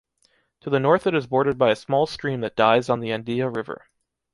To the north it is bordered by a small stream that dies on the Andilla river.